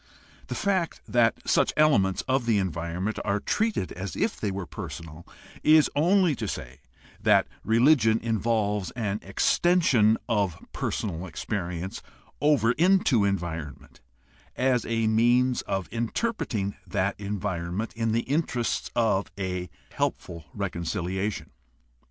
The fact that such elements of the environment are treated as if they were personal is only to say that religion involves an extension of personal experience over into environment as a means of interpreting that environment in the interests of a helpful reconciliation.